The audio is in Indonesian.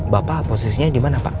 bapak posisinya dimana pak